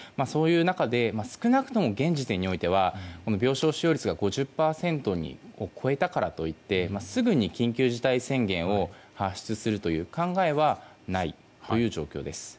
そういう中で少なくとも現時点においては病床使用率が５０％を超えたからといってすぐに緊急事態宣言を発出する考えはないという状況です。